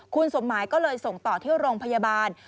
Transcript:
คุณสมหมายก็เลยส่งต่อที่โรงพยาบาล